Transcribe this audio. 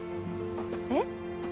えっ。